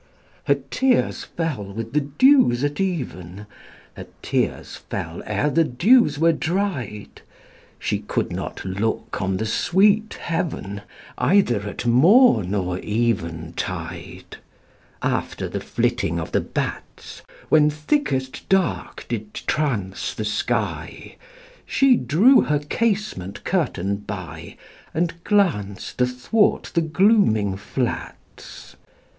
Her tears fell with the dews at even; Her tears fell ere the dews were dried; She could not look on the sweet heaven, Either at morn or eventide. After the flitting of the bats, When thickest dark did trance the sky, She drew her casement curtain by, And glanced athwart the glooming flats.